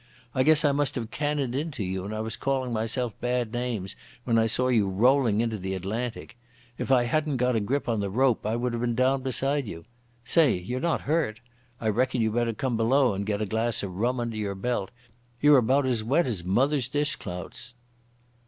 I guess I must have cannoned into you, and I was calling myself bad names when I saw you rolling into the Atlantic. If I hadn't got a grip on the rope I would have been down beside you. Say, you're not hurt? I reckon you'd better come below and get a glass of rum under your belt. You're about as wet as mother's dish clouts."